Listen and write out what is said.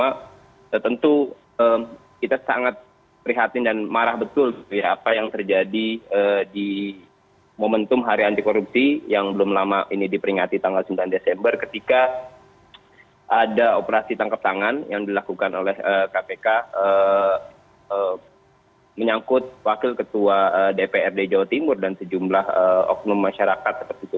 yang kedua mbak tentu kita sangat prihatin dan marah betul apa yang terjadi di momentum hari anti korupsi yang belum lama ini diperingati tanggal sembilan desember ketika ada operasi tangkap tangan yang dilakukan oleh kpk menyangkut wakil ketua dpr di jawa timur dan sejumlah oknum masyarakat seperti itu